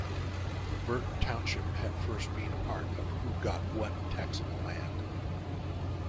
Burton Township had first been a part of who got what taxable land.